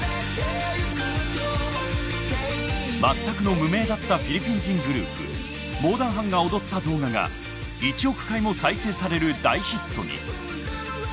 全くの無名だったフィリピン人グループ猛男版が踊った動画が１億回も再生される大ヒットに。